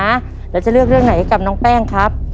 แล้วจะเลือกเรื่องไหนให้กับน้องแป้งครับ